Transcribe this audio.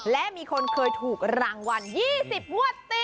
และมีคนเคยถูกรางวัล๒๐งวดติด